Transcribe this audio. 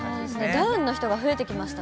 ダウンの人が増えてきました